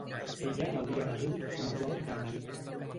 Ella l'hauria rebut com a dot del marit.